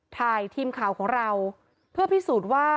ทีมข่าวของเราเพื่อพิสูจน์ว่า